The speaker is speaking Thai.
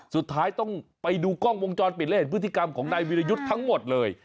สุดท้ายต้องไปดูกล้องวงจรปิดและเห็นพฤติกรรมของนายวิรยุทธ์ทั้งหมดเลย